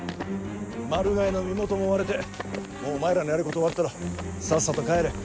マルガイの身元も割れてもうお前らのやることは終わったろさっさと帰れ。